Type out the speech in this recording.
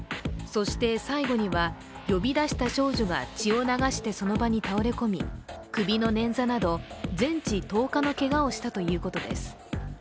そして最後には、呼び出した少女が血を流してその場に倒れ込み首のねんざなど全治１０日のけがをしたということです。